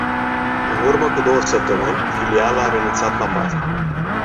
În urmă cu două săptămâni, filiala a renunțat la paznic.